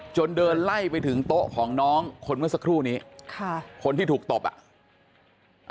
เดินไล่ไปถึงโต๊ะของน้องคนเมื่อสักครู่นี้ค่ะคนที่ถูกตบอ่ะ